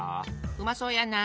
うまそうやな。